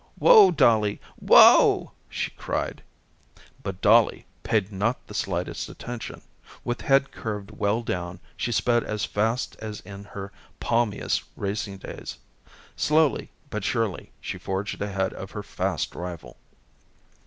"Whoa, Dollie, whoa," she cried. But Dollie paid not the slightest attention. With head curved well down she sped as fast as in her palmiest racing days. Slowly but surely she forged ahead of her fast rival.